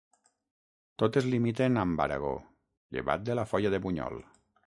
Totes limiten amb Aragó, llevat de la Foia de Bunyol.